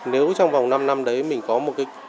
nếu trong vòng năm năm đấy mình có một cái